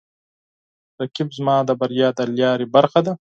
رقیب زما د بریا د لارې برخه ده